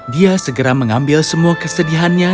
dia segera mengambil semua kesedihannya